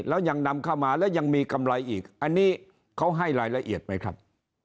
แล้วยังนำเข้ามาแล้วยังมีกำไรอีกอันนี้เขาให้รายละเอียดไหมครับ